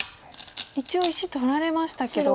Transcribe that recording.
一応石取られましたけど。